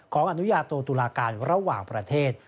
อนุญาโตตุลาการระหว่างประเทศ